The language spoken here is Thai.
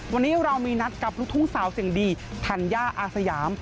วันนี้เรามีนัดกับลูกทุ่งสาวเสียงดีธัญญาอาสยาม